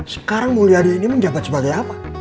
sekarang mulyadi ini menjabat sebagai apa